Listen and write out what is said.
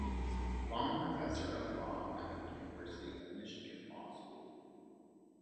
Long Professor of Law at the University of Michigan Law School.